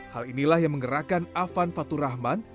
hal inilah yang menggerakkan afan faturahman